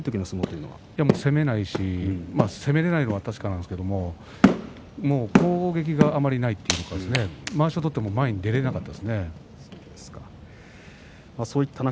攻めないし攻められないというのは確かなんですが攻撃があまりないというかまわしを取っても前に出れなかったんですね。